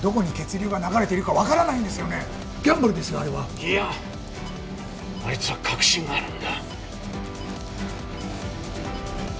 いやあいつは確信があるんだ。